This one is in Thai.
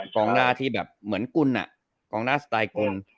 กล้องหน้าที่เหมือนกุลสไตล์กุล